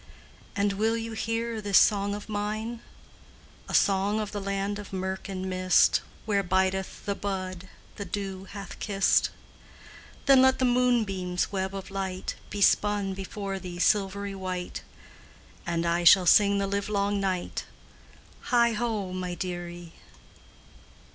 And will you hear this song of mine, A song of the land of murk and mist Where bideth the bud the dew hath kist? Then let the moonbeam's web of light Be spun before thee silvery white, And I shall sing the livelong night, Heigho, my dearie!"